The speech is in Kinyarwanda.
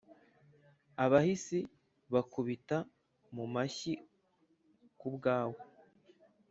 Abahisi bakubita mu mashyi ku bwawe,